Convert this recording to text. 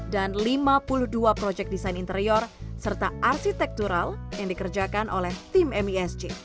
dan lima puluh dua proyek desain interior serta arsitektural yang dikerjakan oleh tim misj